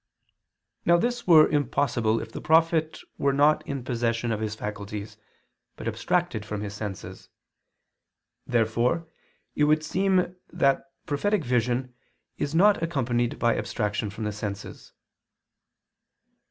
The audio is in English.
Now this were impossible if the prophet were not in possession of his faculties, but abstracted from his senses. Therefore it would seem that prophetic vision is not accompanied by abstraction from the senses.